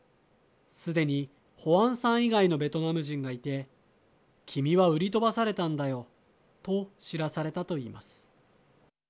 すでに、ホアンさん以外のベトナム人がいて君は売り飛ばされたんだよと知らされたといいます。